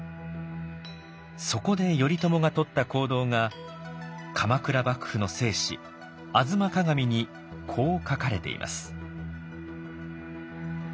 そこで頼朝がとった行動が鎌倉幕府の正史「吾妻鏡」にこう書かれています。